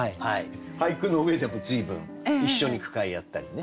俳句の上でも随分一緒に句会やったりね。